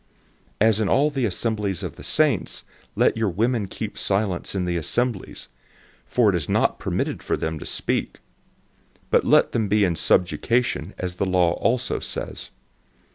As in all the assemblies of the saints, 014:034 let your wives keep silent in the assemblies, for it has not been permitted for them to speak; but let them be in subjection, as the law also says.